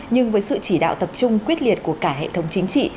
nhưng với sự chỉ đạo tập trung quyết liệt của cả hệ thống chính trị